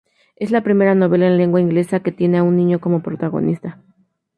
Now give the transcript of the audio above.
Es la primera novela en lengua inglesa que tiene a un niño como protagonista.